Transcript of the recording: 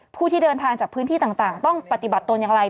ผู้ที่เดินทางจากพื้นที่ต่างต้องปฏิบัติตนอย่างไร